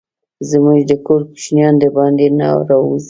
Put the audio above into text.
زموږ د کور کوچينان دباندي نه راوزي.